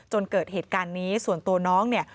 เกิดเหตุการณ์นี้ส่วนตัวน้องเนี่ย